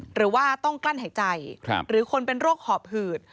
หรือว่าต้องกลั้นหายใจหรือคนเป็นโรคหอบหืด